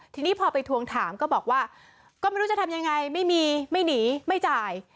ทีนี้พอไปทวงถามก็บอกว่าก็ไม่รู้จะทำยังไงไม่มีไม่หนีไม่จ่าย